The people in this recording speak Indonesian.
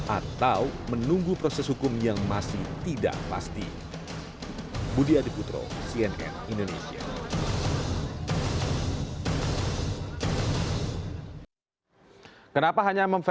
atau menunggu prosesnya